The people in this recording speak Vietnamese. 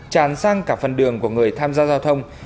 tràn sang cả phần đường của người tham gia giao thông